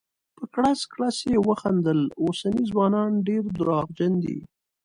په کړس کړس یې وخندل: اوسني ځوانان ډير درواغجن دي.